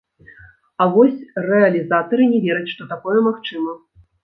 А вось рэалізатары не вераць, што такое магчыма.